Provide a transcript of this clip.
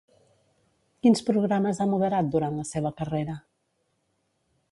Quins programes ha moderat durant la seva carrera?